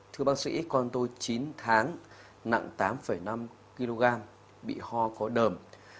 thưa bác sĩ con tôi chín tháng nặng tám năm kg bị ho có đờm